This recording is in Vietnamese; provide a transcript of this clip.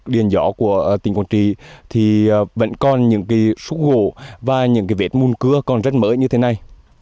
đều có những cây gỗ và những vết môn cưa còn rất mới như thế này